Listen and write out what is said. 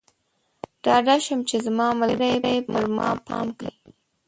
ډاډه شم چې زما ملګری پر ما پام کوي.